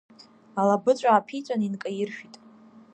Алабыҵә ааԥиҵәан инкаиршәит.